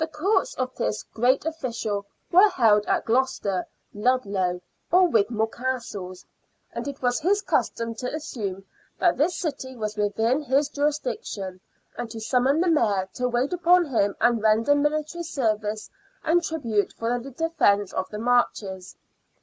courts of this great official were held at Gloucester, Ludlow, or Wigmore Castles, and it was his custom to assume that this city was within his jurisdiction, and to summon the Mayor to wait upon him and render military service and tribute for the defence of the Marches.